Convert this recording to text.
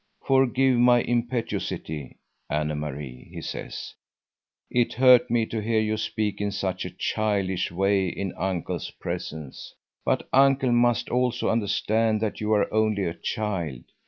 "Forgive my impetuosity, Anne Marie," he says. "It hurt me to hear you speak in such a childish way in Uncle's presence. But Uncle must also understand that you are only a child.